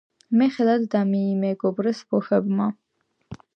მე ხელად დამიმეგობრეს ბოშებმა